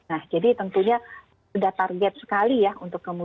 nah jadi tentunya sudah target sekali ya untuk kemudian